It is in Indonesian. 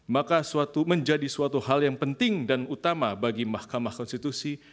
maka menjadi suatu hal yang penting dan utama bagi mahkamah konstitusi